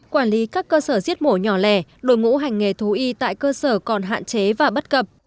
quản lý các cơ sở giết mổ nhỏ lẻ đổi ngũ hành nghề thú y tại cơ sở còn hạn chế và bất cập